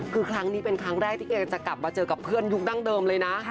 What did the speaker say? คือครั้งนี้เป็นครั้งแรกที่แกจะกลับมาเจอกับเพื่อนยุคดั้งเดิมเลยนะ